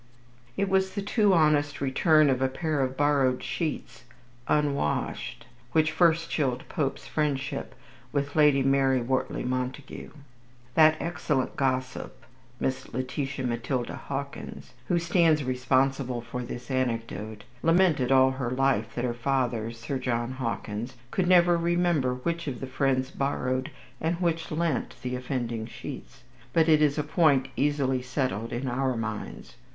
It was the too honest return of a pair of borrowed sheets (unwashed) which first chilled Pope's friendship for Lady Mary Wortley Montagu. That excellent gossip, Miss Letitia Matilda Hawkins, who stands responsible for this anecdote, lamented all her life that her father, Sir John Hawkins, could never remember which of the friends borrowed and which lent the offending sheets; but it is a point easily settled in our minds.